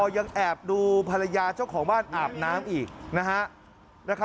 ยังแอบดูภรรยาเจ้าของบ้านอาบน้ำอีกนะฮะ